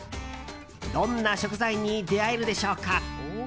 どんな食材に出会えるでしょうか。